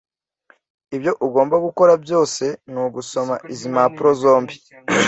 Ibyo ugomba gukora byose ni ugusoma izi mpapuro zombi.